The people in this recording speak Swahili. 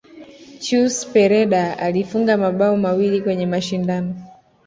Chus pereda alifunga mabao mawili kwenye mashindano